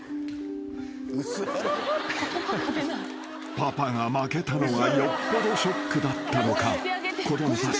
［パパが負けたのがよっぽどショックだったのか子供たち］